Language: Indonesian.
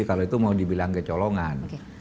kalau itu mau dibilang kecolongan